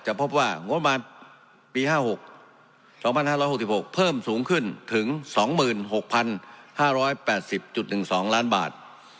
พบว่างบประมาณปี๕๒๕๖๖เพิ่มสูงขึ้นถึง๒๖๕๘๐๑๒ล้านบาท